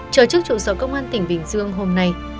chờ trước trụ sở công an tỉnh bình dương hôm nay